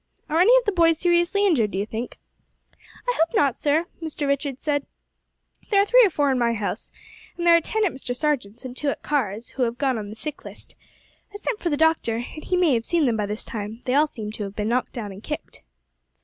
Are any of the boys seriously injured, do you think?" "I hope not, sir," Mr. Richards said; "there are three or four in my house, and there are ten at Mr. Sargent's, and two at Carr's, who have gone on the sick list. I sent for the doctor, and he may have seen them by this time; they all seemed to have been knocked down and kicked."